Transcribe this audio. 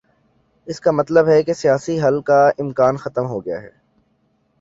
اس کا مطلب ہے کہ سیاسی حل کا امکان ختم ہو گیا ہے۔